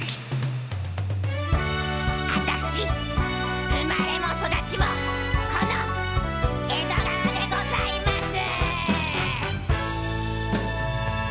あたし生まれも育ちもこの江戸川でございます。